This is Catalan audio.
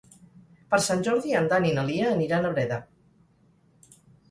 Per Sant Jordi en Dan i na Lia aniran a Breda.